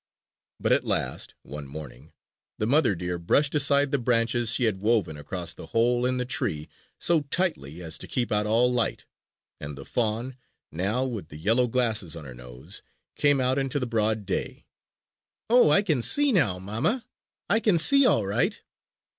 But at last, one morning, the mother deer brushed aside the branches she had woven across the hole in the tree so tightly as to keep out all light; and the fawn, now with the yellow glasses on her nose, came out into the broad day. "Oh, I can see now, mamma, I can see all right!"